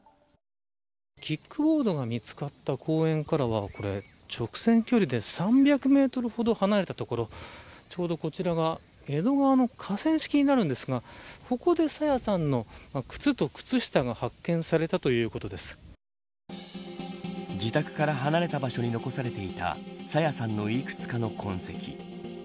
キックボードが見つかった公園からは直線距離で３００メートルほど離れた所ちょうど、こちらが江戸川の河川敷になるんですがここで朝芽さんの靴と靴下が自宅から離れた場所に残されていた朝芽さんのいくつかの痕跡。